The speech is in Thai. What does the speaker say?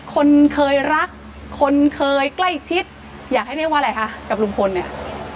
คนเคยรักคนเคยใกล้ชิดอยากให้เรียกว่าอะไรคะกับลุงพลเนี่ย